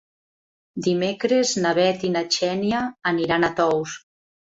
Dimecres na Bet i na Xènia aniran a Tous.